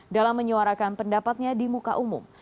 dalam menyuarakan pendapatnya di muka umum